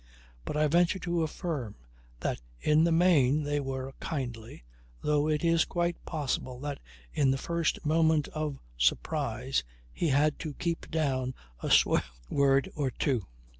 But I venture to affirm that in the main they were kindly, though it is quite possible that in the first moment of surprise he had to keep down a swear word or two.